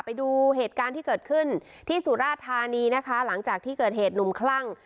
ไปดูเหตุการณ์ที่เกิดขึ้นที่สุราธานีนะคะหลังจากที่เกิดเหตุหนุ่มคลั่ง